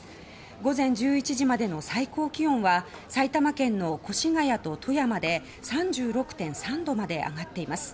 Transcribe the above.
午前１１時までの最高気温は埼玉県の越谷と富山で３６．３度まで上がっています。